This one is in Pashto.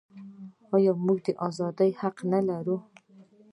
آیا موږ د ازادۍ حق نلرو؟